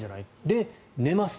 で、寝ます。